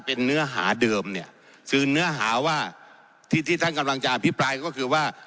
เป็นเนื้อหาเดิมเนี่ยคือเนื้อหาว่าที่ที่ท่านกำลังจะอภิปรายก็คือว่า